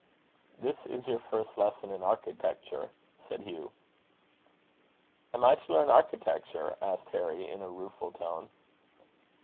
"This is your first lesson in architecture," said Hugh. "Am I to learn architecture?" asked Harry, in a rueful tone.